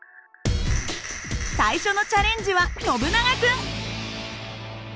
最初のチャレンジはノブナガ君。